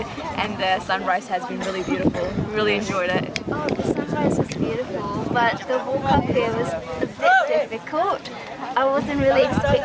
dan kami menikmati perhubungan ini